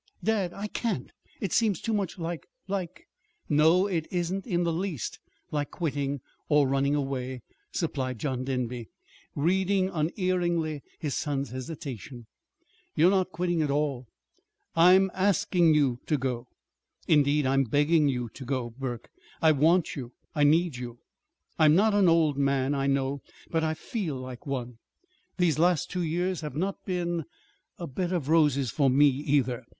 "Dad, I can't. It seems too much like like " "No, it isn't in the least like quitting, or running away," supplied John Denby, reading unerringly his son's hesitation. "You're not quitting at all. I'm asking you to go. Indeed, I'm begging you to go, Burke. I want you. I need you. I'm not an old man, I know; but I feel like one. These last two years have not been er a bed of roses for me, either."